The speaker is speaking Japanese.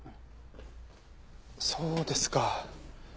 そうですか。